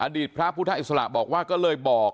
อดีตพระพุทธอิสระบอกว่าก็เลยบอก